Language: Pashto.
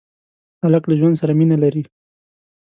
هلک له ژوند سره مینه لري.